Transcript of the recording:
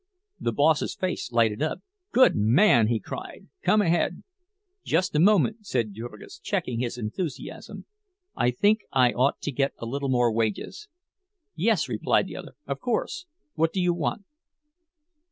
The boss's face lighted up. "Good man!" he cried. "Come ahead!" "Just a moment," said Jurgis, checking his enthusiasm. "I think I ought to get a little more wages." "Yes," replied the other, "of course. What do you want?"